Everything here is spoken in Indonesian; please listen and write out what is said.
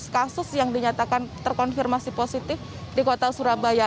kasus yang dinyatakan terkonfirmasi positif di kota surabaya